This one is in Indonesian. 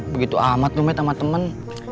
begitu amat lu emet sama temen